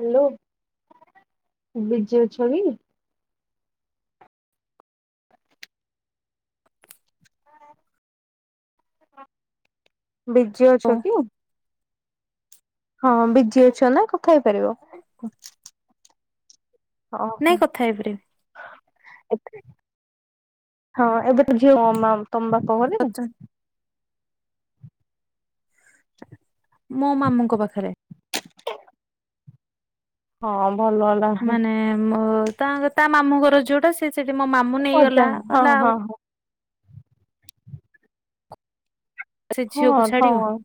Hello busy ଅଛ କି? Busy ଓ ଅଛ କି? ହଁ ବିଜି ଅଛ ନା କଥା ହେଇପାରିବ। [inaudible] [unintelligible] [unintelligible] ନାଇଁ କଥା ହେଇପାରିବି ହଁ ଏବେ ତୁ ଝିଅ ତମ ବାପ ଘରେ ମୋ ମାମୁଁଙ୍କ ପାଖରେ ହଁ ଭଲ ହେଲା। ମାନେ ମୋ ତା ତା ମାମୁଁଙ୍କର ଯୋଉଟା ସେ ସେଠି ମୋ ମାମୁଁ ଅଜା ନେଇଗଲା ହଁ ହେଲା ହଁ ଆଉ ହଁ। ସେ ହଁ ଝିଅକୁ ଛାଡିବ ହଁ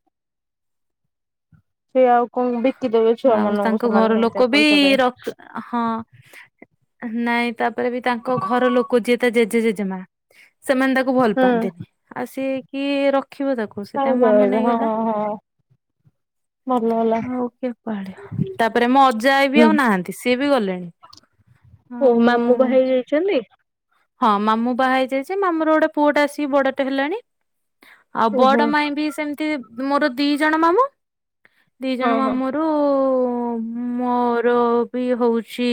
ସେ ଆଉ କଣ ବିକି ଦେବେ ଆଉ ଛୁଆମାନଙ୍କୁ ତାଙ୍କ ଘର ସେମାନେ ଲୋକ ସେମିତି ବି ପଇସା ର ପାଇଁ ହଁ ନାଇଁ ତାପରେ ବି ତାଙ୍କ ଘର ଲୋକ ଯିଏ ତା ଜେଜେ ଜେଜେମା ସେମାନେ ତାକୁ ଭଲ ପାଆନ୍ତିନି ଆଉ ସିଏ କିଏ ରଖିବ ତାକୁ ସେ ତାଙ୍କ କାହିଁକି ମାମୁ ରହିବେ ହଁ ନେଇଗଲା ହଁ ହଁ ଭଲ ହେଲା। ହଉ କିଏ ପାଳିବ ତାପରେ ମୋ ଅଜା ବି ହୁଁ ଆଉ ନାହାନ୍ତି ସିଏ ବି ଗଲେଣି ଓ ଆଉ ମାମୁଁ ବାହା ହେଇ ଯାଇଛନ୍ତି? ହଁ ମାମୁଁ ବାହା ହେଇଯାଇଛି ମାମୁଁର ଗୋଟେ ପୁଅଟା ଆସିକି ବଡଟେ ହେଲାଣି। ଆଉ ଓହୋ। ବଡ ମାଇଁ ବି ସେମିତି, ମୋର ଦି ଜଣ ମାମୁଁ ଦି ଜଣ ମାମୁଁ ଘର [inaudible] ମୋର ବି ହଉଛି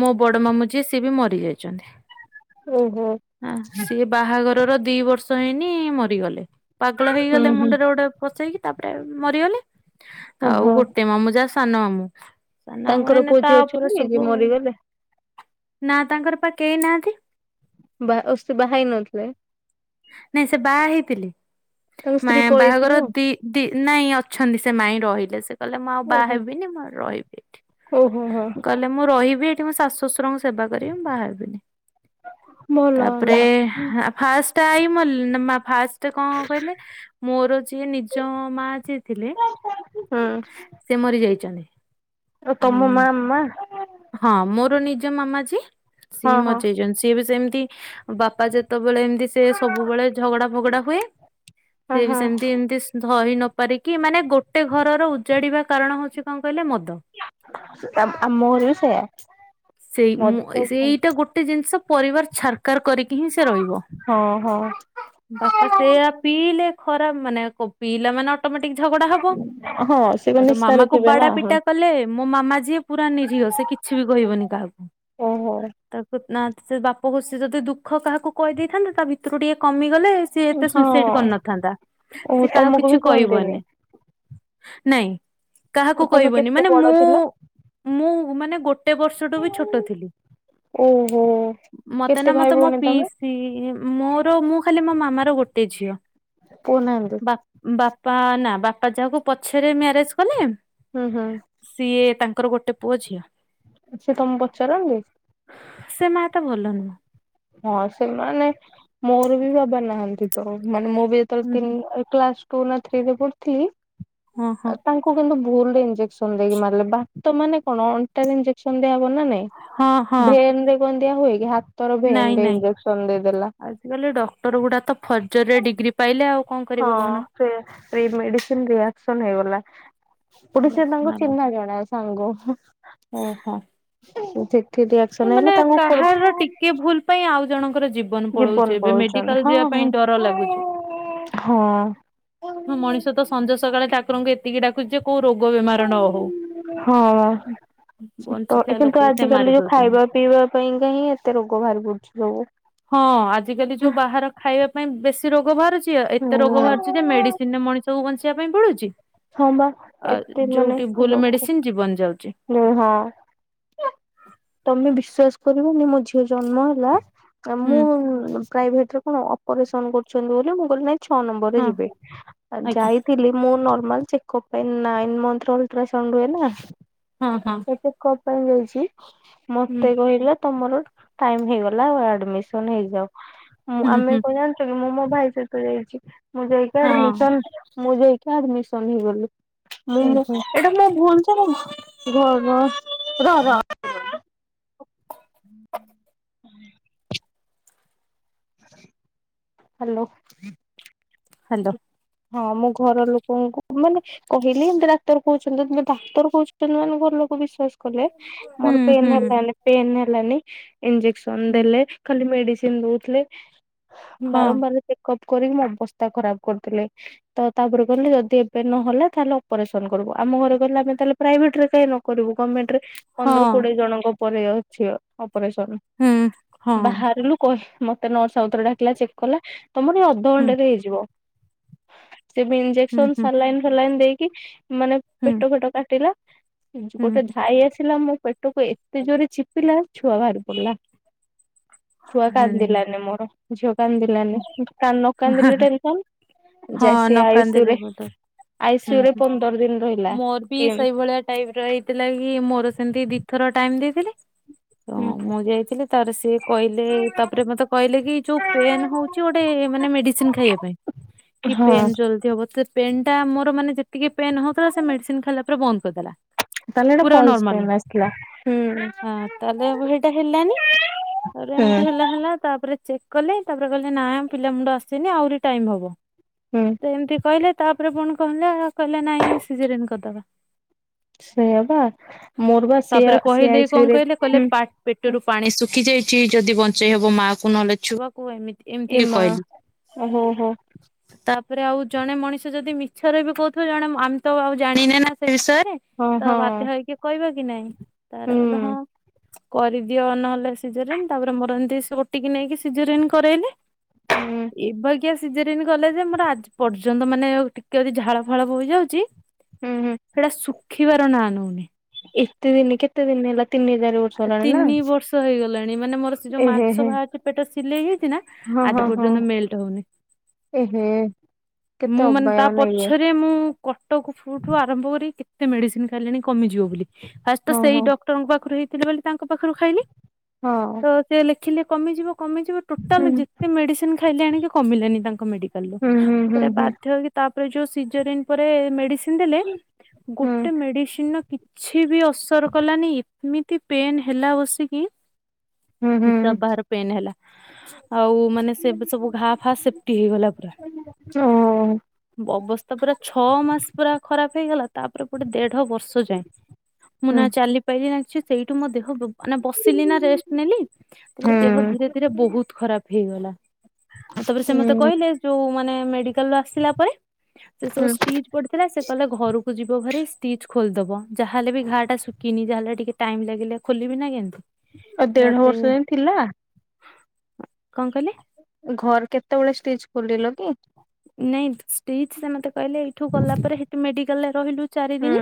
ମୋ ବଡ ମାମୁଁ ଯିଏ ସିଏ ବି ମରିଯାଇ ଚନ୍ତି। ଓ ହୋ। ହଁ ସିଏ ବାହାଘରର ଦି ବର୍ଷ ହେଇନି ମରିଗଲେ। ପାଗଳ ହୁଁ ହେଇଗଲେ ହୁଁ ମୁଣ୍ଡରେ ଗୋଟେ ପସେଇକି ତାପରେ ମରିଗଲେ ଆଉ ଓହୋ ଗୋଟେ ମାମୁଁ ଯାହା ସାନ ମାମୁଁ ସାନ ମାମୁଁ ତାଙ୍କର ଏଇନେ ପୁଅ ତା ଝିଅ ଉପରେ ଅଛନ୍ତି ସବୁ ଯେ ଆଉ। ମରିଗଲେ? ନା ତାଙ୍କର ପା କେହିନାହାଁନ୍ତି। ବା ଓ ସେ ବାହା ହେଇ ନଥିଲେ? ନାଇଁ ସେ ବାଆ ହେଇଥିଲେ ତାଙ୍କ ମା ସ୍ତ୍ରୀ ବାହାଘର ପଳେଇଥିବେ ଆଉ। ଦି ଦି ନାଇଁ ଅଛନ୍ତି ସେ ମାଇଁ ରହିଲେ ସେ କହିଲେ ମୁଁ ଆଉ ବାହା ଓହୋ ହେବିନି ମୁଁ ରହିବି ଏଠି ଓହୋ ହୋ କହିଲେ ମୁଁ ରହିବି ଏଠି ମୋ ଶାଶୁ ଶଶୁରଙ୍କ ସେବା କରିବି ମୁଁ ବାହାହେବିନି ଭଲ ହେଲା ତାପରେ ହୁଁ ଆ ଫାସ୍ ଟାଇମ୍ ଅଲ ନ ମା ଫାଷ୍ଟ କଣ କହିଲେ ମୋର ଯିଏ ନିଜ ମା ଯିଏ ଥିଲେ ସେ ମରି ଯାଇଚନ୍ତି। ଓଃ ତମ ମାମା। ହଁ ମୋର ନିଜ ମାମା ଯିଏ ସିଏ ହଁ ବି ହଁ ମରିଯାଇଚନ୍ତି ସିଏ ବି ସେମତି ବାପା ଯେତବଳେ ଏମତି ସେ ସବୁବେଳେ ଝଗଡା ଫଗଡା ହୁଏ ହଁ ସିଏ ବି ହଁ ସେମତି ଏମତି ଧରି ନ ପାରିକି ମାନେ ଗୋଟେ ଘରର ଉଜାଡିବା କାରଣ ହଉଚି କଣ କହିଲେ ମଦ। ତ ଆମ ଘରେ ବି ସେଇଆ ସେଇ ମଦ ମୁଁ ପାଇଁ। ସେଇଟା ଗୋଟେ ଜିନିଷ ପରିବାର ଛାରକାର କରିକି ହିଁ ସେ ରହିବ। ହଁ ହଁ ବାପା ସେଇଆ ପିଇଲେ ଖରାପ ମାନେ କ ପିଇଲା ମାନେ ଅଟୋମେଟିକ୍ ଝଗଡା ହବ। ହଁ। ସେ କଣ ହେଇଟୁ ମାମା ନିଶାରେ କୁ ଥିବେ ନା ବାଡା ହଁ ପିଟା କଲେ ମୋ ମାମା ଯିଏ ପୁରା ନିରୀହ ସେ କିଛି ବି କହିବନି କାହାକୁ। ଓହୋ ତାକୁ ନା ସେ ବାପକୁ ସେ ଯଦି ଦୁଃଖ କାହାକୁ କହିଦେଇଥାନ୍ତେ ତା ଭିତୁରୁ ଟିକେ କମିଗଲେ ସିଏ ଏତେ ହଁ ସୁଇସାଇଡ୍ କରିନଥାନ୍ତା ଓ ସେ କାହାକୁ ତମକୁ ବି କିଛି କୁହନ୍ତିନି କହିବନି। ନାଇଁ କାହାକୁ ଓ ତମେ କହିବନି କେତେ ମାନେ ମୁଁ ବଡ ଥିଲ ମୁଁ ମାନେ ଗୋ ଟେ ବର୍ଷଟୁ ବି ଛୋଟ ଥିଲି ଓହୋ ମତେ କେତେ ନା ଭାଇ ମତେ ମୋ ଭଉଣୀ ତମେ ପିସ୍ ହି ମୋର ମୁଁ ଖାଲି ମୋ ମାମା ର ଗୋଟେ ଝିଅ। ପୁଅ ନାହାଁନ୍ତି? ବାପା ବାପା ନା ବାପା ଯାହାକୁ ପଛେରେ ମ୍ୟାରେଜ କଲେ। ହୁଁ ହଁ। ସିଏ ତାଙ୍କର ଗୋଟେ ପୁଅ ଝିଅ। ସିଏ ତମୁ ପଚାରନ୍ତି? ସେ ମା ଏତେ ଭଲ ନୁହଁ। ହଁ ସେ ମାନେ ମୋର ବି ବାବା ନାହାଁନ୍ତି ତ ମାନେ ମୁଁ ବି ଯେତେବେଳେ ହୁଁ ତିନି ହୁଁ ଅ କ୍ଲାସ ଟୁ ନା ଥ୍ରି ରେ ପଢୁୁଥିଲି ହଁ ହଁ ଆଉ ତାଙ୍କ କୁ କିନ୍ତୁ ଭୁଲରେ ଇଞ୍ଜେକସନ ଦେଇକି ମାରିଲେ ବାତ ମାନେ କଣ ଅଣ୍ଟାରେ ଇଞ୍ଜେକ୍ସନ ଦିଆ ହବ ନା ନାଇଁ। ହଁ ହଁ ଭେନ୍ ରେ କଣ ଦିଆ ହୁଏ କିି ହାତର ଭେନ ନାଇଁ ରେ ନାଇଁ ଇଞ୍ଜେକ୍ସନ ଦେଇଦେଲା। ଆଜିକାଲି ଡକ୍ଟର ଗୁଡା ତ ଫର୍ଜରିରେ ଡିଗ୍ରୀ ପାଇଲେ ଆଉ କଣ। ହଁ କରିବେ କହୁନା। ସେଇଆ ଏଇ ମେଡିସିନ ରିଆକ୍ସନ ହେଇଗଲା। ପଟେ ସିଏ ତାଙ୍କ ଚିହ୍ନା ଜଣା ସାଙ୍ଗ। ଓ ହଁ। ହୁଁ ସେଠି ରିଆକ୍ସନ୍ ହେଲେ ତା ପ କୁ କିଏ ଭୁଲ ପାଇଁ ଆଉ ଜଣଙ୍କର ଜୀବନ ପଳଉଚି ଏବେ ପଳଉଛନ୍ତି ମେଡିକାଲ ହଁ ଯିବା ହଁ। ପାଇଁ ଡର ଲାଗୁଚି। ହଁ। ହଁ ମଣିଷ ତ ସଞ୍ଜ ସକାଳେ ଠାକୁରଙ୍କୁ ଏତିକି ଡାକୁଛିି ଯେ କୋଉ ରୋଗ ବେମାର ନ ହଉ। ହଁ। ତ ଏ ବଞ୍ଚିଥିବା କିନ୍ତୁ ଲୋକକୁ ସେ ମାରି ଆଜିିକାଲି ଯୋଉ ଦଉଛନ୍ତି। ଖାଇବା ପିଇବା ପାଇଁକା ହିଁ ଏତେ ରୋଗ ବାହାରି ପଡୁଚି ସବୁ। ହଁ ଆଜିକାଲି ଯୋଉ ବାହାର ଖାଇବା ପାଇଁ ବେଶୀ ରୋଗ ବାହାରୁଚି। କିଓ ଏତେ ରୋଗ ହୁଁ। ବାହାରୁଛି ଯେ, ହୁଁ। ମେଡ଼ିସିନ୍ ରେ ମଣିଷକୁୁ ବଞ୍ଚିବା ପାଇଁ ପଡୁଛି। ହଁ ବା ଆ, ଏତେ ଯୋଉଠି ଭୁଲ୍ ମେଡ଼ିସିନ୍ ଜୀବନ ଯାଉଛି। ଉ ହଁ, ତମେ ବିଶ୍ବାସ କରିବନି ମୋ ଝିଅ ଜନ୍ମ ହେଲା ମୁଁ ହୁଁ ପ୍ରାଇଭେଟରେ କଣ, ଅପରେସନ କରୁଛନ୍ତି ବୋଲି ମୁଁ କହିଲି ନାଇଁ ଛଅ ନମ୍ବର ରେ ହଁ ଯିବି। ଅ ଆଜ୍ଞା ଯାଇଥିଲି ମୁଁ ନ ଚେକପ୍ ପାଇଁ। ନାଇନ୍ ମନ୍ଥର ଅଲଟ୍ରାସାଉଣ୍ଡ ହୁଏ ନା? ହଁ, ହଁ। ଚେକପ୍ ପାଇଁ ଯାଇଛି। ହୁଁ ମତେ କହିଲେ ତମର ଟାଇମ୍ ହେଇଗଲା ଆଡ୍ମିସନ ହେଇଯାଅ। ମୁଁ ହୁଁ ଆମେ ହୁଁ କଣ ଜାଣି ସେଠି ମୁଁ ମୋ ଭାଇ ସହିତ ଯାଇଛି, ମୁଁ ଯାଇକି ହଁ ଆଡ୍ମିସନ୍, ଯାଇକି ଆଡ୍ମିସନ୍ ହେଇଗଲି। ହୁଁ ହୁଁ [unintelligible] ହୁଁ। ହାଲୋ। ହାଲୋ। ହଁ, ମୁଁ ଘର ଲୋକଙ୍କୁ ମାନେ କହିଲି ଏମିତି ଡାକ୍ତର କହୁଛନ୍ତି, ତମେ ଡାକ୍ତର କହୁଛନ୍ତି ମାନେ ଘର ଲୋକ ବିଶ୍ୱାସ କଲେ। ହୁଁ ମୋର ପେନ୍ ହୁଁ ହେଲାନି, ପେନ୍ ହେଲାନି ଇଞେଜକ୍ସନ ହୁଁ, ଦେଲେ। ଖାଲି ମେଡ଼ିସିନ୍ ଦୋଉଥିଲେ, ହଁ ବାରମ୍ବାର ଚେକପ୍ କରିକି ମୋ ଅବସ୍ତା ଖରାପ କରୁଥିଲେ। ତ ତାପରେ, କହିଲେ ଯଦି ଏବେ ନହେଲା ତାହେଲେ ଅପରେସନ କରିବୁ। ଆମ ଘରେ କହିଲେ ଆମେ ତାହେଲେ ପ୍ରାଇଭେଟ୍ ରେ କାଇଁ ନ କରିବୁ, ଗମେଣ୍ଟ ରେ ହଁ ପନ୍ଦର, କୋଡିଏ ଜଣଙ୍କ ପରେ ଅଛି ବା ଅପରେସନ, ହୁଁ ହଁ ବାହାରିଲୁ। କହ ମତେ ନର୍ସ ଆଉ ଥରେ ଡାକିଲା, ଚେକ୍ କଲା, ତମର ଏ ଅଧଘଣ୍ଟା ହୁଁ ରେ ହେଇଯିବ। ସେ ବି ହୁଁ ଇଞ୍ଜେକସନ୍, ହୁଁ ସାଲାଇନ୍ ଫାଲାଇନ୍ ଦେଇକି ମାନେ ହୁଁ ପେଟ ଫେଟ କାଟିଲା ହୁଁ ଗୋଟେ ଧାଇଁ ଆସିଲା, ମୋ ପେଟକୁ ଏତେ ଜୋରେ ଚିପିଲା ଛୁଆ ବାହାରି ପଡିଲା। ଛୁଆ କାନ୍ଦିଲାନି ମୋର, ଝିଅ ହୁଁ। କାନ୍ଦିଲାନି, ନ କାନ୍ଦିଲେ ଟେନସନ୍। ହଁ, ଯାଇ ସିଏ ନ ଆଇସିୟୁ କାନ୍ଦିଲେ ରେ ବୋଧେ, ହୁଁ ଆଇସିୟୁ ରେ ହୁଁ, ପନ୍ଦର ଦିନ ରହିଲା ମୋର ବି କି ସେଇ ଭ ହୁଁ। ସେଇଭଳିଆ ଟାଇପ୍ ର ହେଇଥିଲା କି, ମୋର ସେମିତି ଦି ଥର ଟାଇମ୍ ଦେଇଥିଲେ ତ ମୁଁ ଯାଇଥିଲି ତାପରେ ସିଏ କହିଲେ, ତାପରେ ମତେ କହିଲେ କି ଯୋଉ ପେନ୍ ହୋଉଛି ଗୋଟେ ମାନେ ମେଡ଼ିସିନ୍ ଖାଇବା ପାଇଁ, କି ହଁ ପେନ୍ ଜଲ୍ଦି ହବ ପେନ୍ ଟା ମୋର ମାନେ ଟିକେ ପେନ୍ ହଉଥିଲା, ସେ ମେଡ଼ିସିନ୍ ଖାଇଲା ପରେ, ବନ୍ଦ କରିଦେଲା। ତାହେଲେ ହେଟା ପୁରା ଫଲସ ନର୍ମାଲ ପେନ୍ ଆସିଥିଲା। ହଁ, ତାହେଲେ ହେଇଟା ହେଲାନି, ତାପରେ ହୁଁ। ଏମିତି ହେଲା ହେଲା ତାପରେ ଚେକ୍ କଲେ। ତାପରେ କହିଲେ ନା ପିଲା ମୁଣ୍ଡ ଆସିନି ଆହୁରି ଟାଇମ୍ ହବ। ହୁଁ। ଏମିତି କହିଲେ ତାପରେ ପୁଣି କଣ ହେଲା, କହିଲେ ନାଇଁ ସିଜରିନ୍ କରିଦବା। ସେଇଆ ବା, ମୋର ବା ତାପରେ ସିଆ, ସେ କହିଲେ ଆଇ କଣ ସିୟୁ ରେ, କହିଲେ କହିଲେ ହୁଁ। ପା ହୁଁ ପେଟରୁ ପାଣି ଶୁଖି ଯାଇଛି, ଯଦି ବଞ୍ଚେଇ ହବ ମା କୁ ନହେଲେ ଛୁଆକୁ ଏମିତି ଏ ଏମିତି ମା କହିଲେ। ଓହୋ ହୋ ତାପରେ ଆଉ ଜଣେ ମଣିଷ ଯଦି ମିଛରେ ବି କହୁଥିବ, ଜଣେ ଆମେ ତ ଆଉ ଜାଣିନେ ନା ସେ ବିଷୟରେ ହଁ ତ, ହଁ ବାଧ୍ୟ ହେଇକି କହିବା କି ନାଇଁ? ତାପରେ ହୁଁ କହିଲେ ହଁ। କରିଦିଅ ନହେଲେ ସିଜରିନ୍, ତାପରେ ମୋର ଏମିତି ଓ ଟି କି ନେଇକି ସିଜରିନ୍ କରାଇଲେ ହୁଁ ଏ ବା ଏମିତିକା ସିଜରିନ୍ କଲେ ଯେ, ମୋର ଆଜି ପର୍ଯ୍ୟନ୍ତ ମାନେ ଟିକେ ଯଦି ଝାଳ ଫାଳ ବୋହିଯାଉଛି ହୁଁ, ହୁଁ। ସେଇଟା ଶୁଖିବାର ନାଁ ନଉନି। ଏତେ ଦିନି, କେତେ ଦିନ ହେଲା? ତିିନି, ଚାରି ବର୍ଷ। ହେଲାଣି ନା ତିନି ବର୍ଷ ହେଇଗଲାଣି। ମାନେ ମୋର ସେ ଯୋଉ ଏ ହେ ମାଂସ ହେ ବାହାରିଛି ପେଟ ସିଲେଇ ହେଇଛି ନା ହଁ ହଁ ଆଜି ହଁ ପର୍ଯ୍ୟନ୍ତ ମେଲଟ୍ ହଉନି। ଏ ହେ। କେତେ ମୁଁ ମାନେ ତା ଅବାଗିଆ ଇଏ ପଛରେ ମୁଁ। କଟକ ଫୁଠୁ ଆରମ୍ଭ କରି କେତେ ମେଡିସିନ ଖାଇଲେଣି କମିଯିବ ବୋଲି ଫାଷ୍ଟ ତ ହଁ ହଁ ସେଇ ଡ କ୍ଟରଙ୍କ ପାଖରୁ ହେଇଥିଲେ ବୋଲି ତାଙ୍କ ପାଖରୁ ଖାଇଲି। ହଁ। ତ ସେ ଲେଖିଲେ କମିଯିବ କମିଯିବ ହୁଁ ଟୋଟାଲ ଯେତେ ମେଡିସିନ ଖାଇଲେ ଆଣିକି କମିଲେନି ତାଙ୍କ ମେଡି ହୁଁ ହୁଁ ସିନ୍ ହୁଁ ବାଧ୍ୟ ହେଇକି ତାପରେ ଯୋଉ ସିଜରିଙ୍ଗ୍ ପରେ ମେଡିସିନ୍। ଦେଲେ ହୁଁ ଗୋଟେ ମେଡିସିନ ର କିଛି ବି ଅସର କଲି ଏମିତି। ପେନ୍ ହେଲା ବସିକି ହୁଁ ହୁଁ ହିସାବ ହୁଁ ବାହାର ପେନ୍ ହେଲା। ଆଉ ମାନେ ସେବେ ସବୁ ଘା ଫା ସେଫ୍ଟି ହେଇଗଲା ପୁରା। ଓହୋ ଅବସ୍ଥା ପୁରା ଛଅ ମାସ ପୁରା ଖରାପ୍ ହେଇଗଲା। ତାପରେ ଗୋଟେ ଦେଢ ବର୍ଷ ଯାଏଁ ମୁଁ ହୁଁ ନା ଚାଲିପାଇଲି ନା କିଛି, ସେଇଠୁ ମୋ ଦେହ। ମାନେ ବସିଲି ନା ରେଷ୍ଟ ନେଲି ତାପରେ ହୁଁ ଦେହ ଧୀରେ ଧୀରେ ବହୁତ ଖରାପ ହେଇଗଲା। ତାପରେ ସେ ମତେ ହୁଁ କହିଲେ ଯୋଉ ମାନେ ମେଡିକାଲ ରୁ ଆସିଲା ପରେ ସେ ସବୁ ହୁଁ ଷ୍ଟିଜ୍। ପଡିଥିଲା ସେ କଲେ ଘରକୁ ଯିବ ଭାରି ଷ୍ଟିଜ୍ ଖୋଲିଦବ। ଯାହାହେଲେ ବି ଘା ଟା ଶୁଖିନି ଯାହାଲେ ଟିକେ। ଟାଇମ ଲାଗିଲେ ଖୋଲିବି ନା କେମତି? ଆଉ ଦେଢ ତାପରେ ବର୍ଷ ଯାଏ ଥିଲା କଣ କହିଲେ? ଘର କେତେବେଳେ ଷ୍ଟିଜ ଖୋଲିଲ କି? ନାଇଁ ଷ୍ଟିଜ୍ ସେ ମତେ କହିଲେ, ଏଇଠୁ ଗଲା ପରେ ସେଠି ମେଡିକାଲ ରେ ରହିଲୁ। ଚାରି ହୁଁ ଦିନି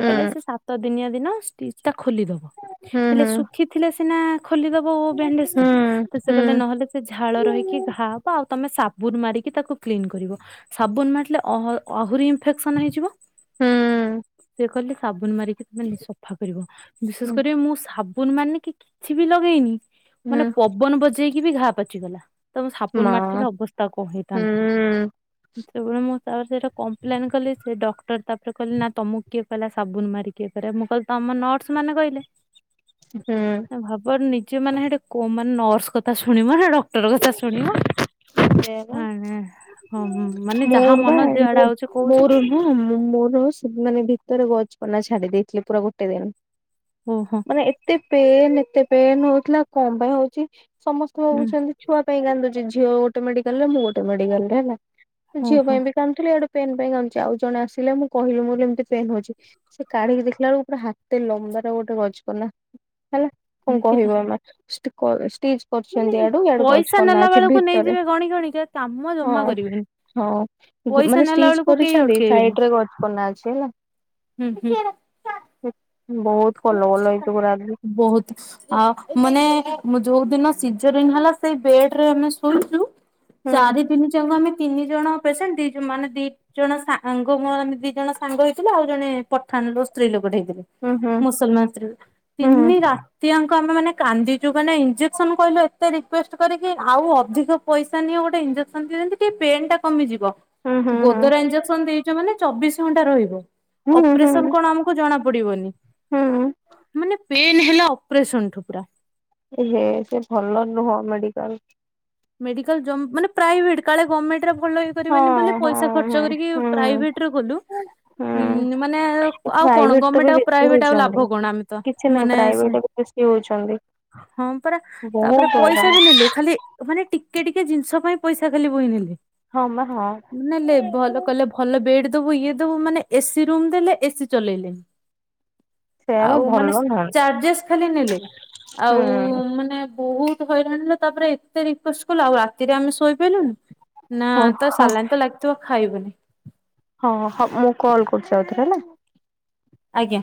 ହୁଁ କହିଲେ ସେ ସାତ ଦିନିଆ ଦିନ ଷ୍ଟିଜ୍ ଟା ଖୋଲିଦବ। ହୁଁ ହେଲେ ହୁଁ ଶୁଖିଥିଲେ ସିନା ଖୋଲିଦବ ବ୍ୟାଣ୍ଡେଜ ଟା ତ ସେ କହିଲେ ନହେଲେ। ସେ ଝାଳ ରହିକି ଘା ହବ ଆଉ ତମେ ସାବୁନ ମାରିକି। ତାକୁ କ୍ଲିନ କରିବ ସାବୁନ ମାରିଥିଲେ ଅହ ଆହୁରି। ଇଫେକ୍ସନ୍ ହେଇଯିବ ସେ କହିଲେ ସାବୁନ ମାରିକି। ସଫା କରିବ ବିଶେଷ କରିବ ମୁଁ ସାବୁନ ମାନେ କି କିଛି ବି ଲଗେଇନି। ମାନେ ପବନ ବଜେଇକି ବି ଘା ପାଚିଗଲା ତମ ସାବୁନ ମାରିଥିଲେ ଅବସ୍ଥା କଣ ହେଇଥାନ୍ତା। ଯେତେବେଳେ ମୁଁ ତାପରେ ସେଟା କପ୍ଲେନ୍ କଲି ସେ ଡକ୍ଟର ତାପରେ କହିଲେ ନା ତମକୁ କିଏ କହିଲା ସାବୁନ ମାରି ଇଏ କରିବାକୁ ମୁଁ କହିଲି ତମ ନର୍ସ ମାନେ କହିଲେ। ହୁଁ। ଭାବ ନିଜେ ମାନେ ସେଠି କୋ ମାନେ ନର୍ସ କଥା ଶୁଣିବ ନା ଡକ୍ଟର କଥା ଶୁଣିବ। [inaudible] ହ ହ ହ ମାନେ ଯାହା ମନ ଯିଆଡେ ହଉଛି କହୁଛି। ହଁଁ ମୋର ମାନେ ଭିତରେ ଗଛ ପନା ଛାଡି ଦେଇଛି ପୁରା ଗୋଟେ ଦିନ। ଓହୋ। ଏତେ ପେନ୍ ଏତେ ପେନ୍ ହଉଥିଲା କଣ ପାଇଁ ହଉଛି ସମସ୍ତେ ହୁଁ ଭାବୁଛନ୍ତି। ଛୁଆ ପାଇଁ କାନ୍ଦୁଛି ଝିଅ ଗୋଟେ ମେଡିକାଲ ରେ ମୁଁ ଗୋଟେ ମେଡିକାଲ ରେ ହେଲା ଝିଅ ଓହୋ ପାଇଁ ବି ଜାଣିଥିଲି ଆଡେ ପେନ୍ ପାଇଁ କାନ୍ଦୁଛି ଆଉ ଜଣେ ଆସେ ମୁଁ କହିଲି ମୋର ଏମିତି ପେନ୍ ହଉଛି। ସେ କାଢିକି ଦେଖିଲା ବେଳକୁ ପୁରା ହାତେ ଲମ୍ବା ର ଗୋଟେ ଗଜକନା ହେଲା। କଣ ଦେଖିଲ କହିବ ଆ ଚ ମାନେ କରୁଛନ୍ତି ଆଡୁ ଆଡୁ। [unintelligible] ପଇସା ନେଲା ବେଳକୁ ନେଇଯିବେ ଗଣି ଗଣି କା କାମ ଜମା ହଁ କରିବେନି। ହଁ ପଇସା ମାନେ ନେଲା ଷ୍ଟିଜ୍ ବେଳକୁ କେହି କରିଛନ୍ତି ଅଟକେଇବେନି ସାଇଟ୍ ରେ ଗଜକନା ଅଛି ହେଲା। ହୁଁ ହୁଁ। ବହୁତ୍। ବହୁତ ଆ ମାନେ ମୁଁ ଯୋଉ ଦିନ। ସିଜରିଙ୍ଗ୍ ହେଲା ସେଇ ବେଡ ରେ ଆମେ ଶୋଇଛୁ ହୁଁ ଚାରି ଦନି ଯାକ ଆମେ। ତିନି ଜଣ ପେସେଣ୍ଟ ଦି ମାନେ ଦି ଦି ଜଣ ସାଙ୍ଗ ମୋର ଆମେ ଦି ଜଣ ସାଙ୍ଗ ହେଇଥିଲୁ ଆଉ ଜଣେ ପଠାଣର ସ୍ତ୍ରୀ ଲୋକଟେ ହେଇଥିଲେ। ହୁଁ ହୁଁ ମୁସଲମାନ ସ୍ତ୍ରୀ ଲୋକ ଟା ହୁଁ ତିନି ରାତିଆଙ୍କ ଆମେ ମାନେ କାନ୍ଦିଛୁ ମାନେ ଇଞ୍ଜେକ୍ସନ୍। କହିଲୁ ଏତେ ରିକୁଏସ୍ଟ କରି କି ଆଉ ଅଧିକ ପଇସା ନି ଗୋଟେ ଇଞ୍ଜେକ୍ସନ ଦିଅ ଯେମିତି ଟିକେ ପେନ୍ ଟା କମିଯିବ ହୁଁ ହୁଁ ଗୋଦରା ହୁଁ। ଇଞ୍ଜେକ୍ସନ ଦେଇଛ ମାନେ ଚବିଶ ଘଣ୍ଟା ରହିବ ହୁଁ ହୁଁ ଅପରେସନ କଣ ଆମ [unintelligible] ଜଣା ପଡିବନି। ହୁଁ। ମାନେ ପେନ୍ ହେଲା ଅପରେସନଠୁ ପୁରା। ଏ ହେ ସେ ଭଲ ନୁହଁ ମେଡିକାଲ୍। ମେଡିକାଲ୍ ଯମ୍ ମାନେ ପ୍ରାଇଭେଟ୍ କାଳେ ଗମେଣ୍ଟ ରେ ଭଲ ହଁ କରିବେନି ବୋଲି ହଁ ପଇସା ହଁ ଖର୍ଚ୍ଚ କରି କି ହୁଁ ପ୍ରାଇଭେଟ୍ ରେ କଲୁ। ହୁଁ ମାନେ ଆଉ କଣ ପ୍ରାଇଭେଟ ତ ବି ଗମେଣ୍ଟ ଆଉ ବେଶୀ ପ୍ରାଇଭେଟ୍ ଆଉ ହଉଛନ୍ତି। ଲାଭ କଣ ଆମେତ କିଛି ନାହିଁ ମାନେ ସେ ପ୍ରାଇଭେଟ [unintelligible] ହଁ ପରା ତାପରେ ବହୁତ ପଇସା ହଇରାଣ ବି ନେଲେ ଖାଲି ମାନେ ଟିକେ-ଟିକେ ଜିନିଷ ପାଇଁ ପଇସା ଖାଲି ବୋହି ନେଲେ ହଁ-ମା-ହଁ ନେଲେ ଭଲ କହିଲେ ଭଲ ବେଡ୍ ଦବୁ ଇଏ ଦବୁ ମାନେ ଏସିି ରୁମ୍ ଦେଲେ ଏସିି ଚଲେଇଲେନି। [unintelligible] ସେୟା ବା ଆଉ ଭଲ ମାନେ ନୁହଁ। ଚାର୍ଜେସ୍ ଖାଲି ନେଲେ ଆଉ ହୁଁ ମାନେ ବହୁତ୍ ହଇରାଣ ରେ ତାପରେ ଏତେ ରିକୁଏଷ୍ଟ କଲୁ ଆଉ ରାତିରେ ଆମେ ଶୋଇ [unintelligible] ନା ହଁ ତ ହଁ ସାଲାଇନ୍ ତ ଲାଗିଥିବ ଖାଇବୁନି। ହଁ-ହଁ ମୁଁ କଲ୍ କରୁଚି ଆଉଥରେ ହେଲା। ଆଜ୍ଞା।